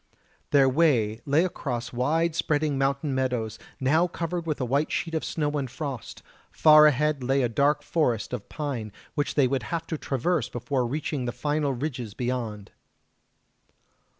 Their way lay across wide spreading mountain meadows, now covered with a white sheet of snow and frost; far ahead lay a dark forest of pine which they would have to traverse before reaching the final ridges beyond.